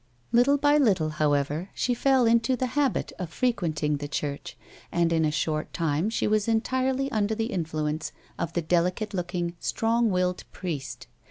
Little by little, however, she fell into the habit of frequent ing the church, and, in a short time, she was entirely under the influence of the delicate looking, strong willed priest.